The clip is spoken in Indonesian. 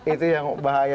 itu yang bahaya